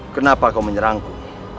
kenapa kau menyerangku